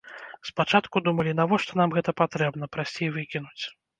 Спачатку думалі, навошта нам гэта патрэбна, прасцей выкінуць.